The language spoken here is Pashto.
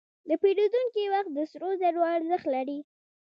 د پیرودونکي وخت د سرو زرو ارزښت لري.